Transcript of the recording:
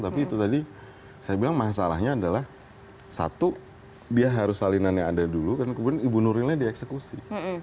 tapi itu tadi saya bilang masalahnya adalah satu dia harus salinan yang ada dulu kan kemudian ibu nurilnya dieksekusi